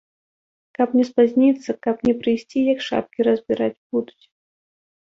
Каб не спазніцца, каб не прыйсці, як шапкі разбіраць будуць.